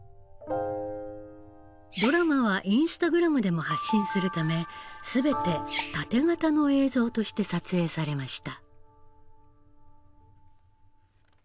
ドラマはインスタグラムでも発信するため全てタテ型の映像として撮影されました。